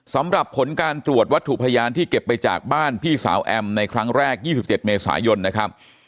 สำหรับผลการตรวจวัตถุพยานที่เก็บไปจากบ้านพี่สาวแอมในครั้งแรก๒๗เมษายนนะครับ